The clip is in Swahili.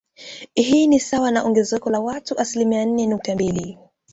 Hii ni sawa na ongezeko la watu asilimia nne nukta mbili